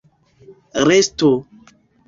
resto